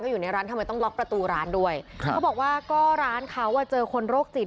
ตกใจไหมครับที่เขามาทำแบบนี้